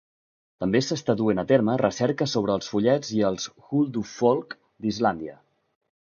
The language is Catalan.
També s'està duent a terme recerca sobre els follets i els "Huldufólk" d'Islàndia.